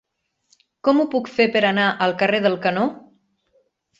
Com ho puc fer per anar al carrer del Canó?